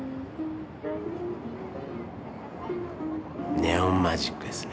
ネオンマジックですね。